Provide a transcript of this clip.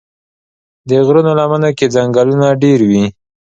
د غرونو لمنو کې ځنګلونه ډېر وي.